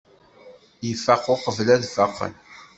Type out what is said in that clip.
Ifaq uqbel ad faqen.